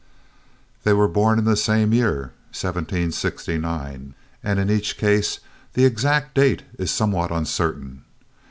They were born in the same year, 1769, and in each case the exact date is somewhat uncertain.